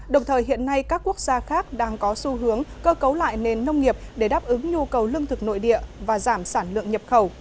đồng thời hiện nay các quốc gia khác đang có xu hướng cơ cấu lại nền nông nghiệp để đáp ứng nhu cầu lương thực nội địa và giảm sản lượng nhập khẩu